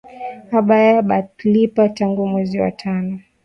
Abaya balipa tangu mwenzi wa tano